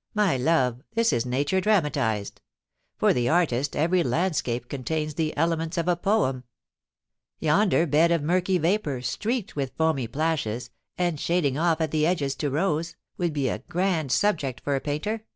... My love, this is nature dramatised. For the artist every landscape contains the elements of a poem. 18 274 POLICY AND PASSION, Yonder bed of murky vapour, streaked with foamy plashes, and shading off at the edges to rose, would be a grand sub ject for a painter.